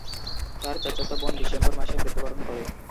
তার চাচাতো বোন ডিসেম্বর মাসে মৃত্যুবরণ করে।